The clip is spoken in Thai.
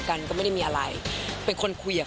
กันก็ไม่ได้มีอะไรเป็นคนคุยกับ